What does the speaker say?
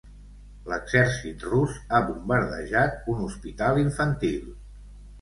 L'exèrcit rus ha bombardejat un hospital infantil.